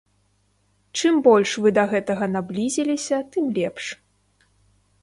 Чым больш вы да гэтага наблізіліся, тым лепш.